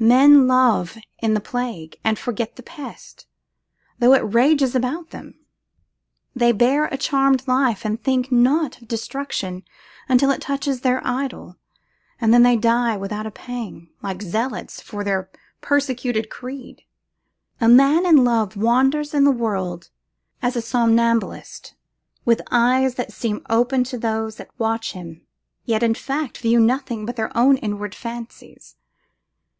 Men love in the plague, and forget the pest, though it rages about them. They bear a charmed life, and think not of destruction until it touches their idol, and then they die without a pang, like zealots for their persecuted creed. A man in love wanders in the world as a somnambulist, with eyes that seem open to those that watch him, yet in fact view nothing but their own inward fancies.